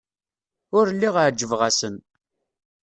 Ur lliɣ ɛejbeɣ-asen.